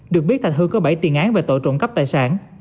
được biết thạch hưng có bảy tiền án về tội trộm cắp tài sản